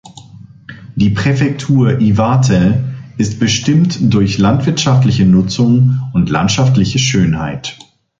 Die Präfektur Iwate ist bestimmt durch landwirtschaftliche Nutzung und landschaftliche Schönheit.